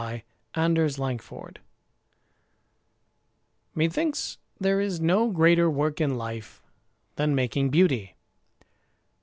BEAUTY MAKING Methinks there is no greater work in life Than making beauty.